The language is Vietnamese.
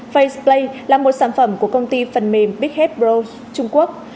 faceplay là một sản phẩm của công ty phần mềm bigheadbros trung quốc